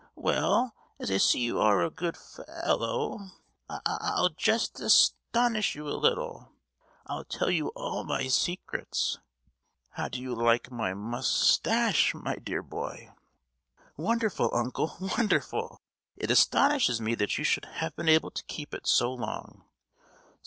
Well, as I see you are a good fe—ellow, I—I'll just as—tonish you a little: I'll tell you all my secrets! How do you like my mous—tache, my dear boy?" "Wonderful, uncle, wonderful! It astonishes me that you should have been able to keep it so long!"